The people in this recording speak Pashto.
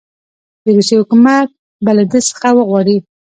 د روسیې حکومت به له ده څخه وغواړي.